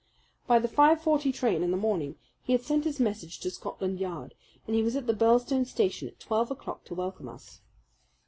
By the five forty train in the morning he had sent his message to Scotland Yard, and he was at the Birlstone station at twelve o'clock to welcome us.